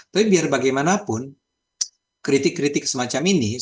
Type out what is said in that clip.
tapi biar bagaimanapun kritik kritik semacam ini